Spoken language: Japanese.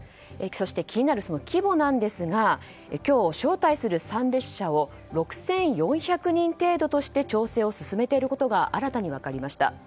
そして気になる規模なんですが今日、招待する参列者を６４００人程度として調整を進めていることが新たに分かりました。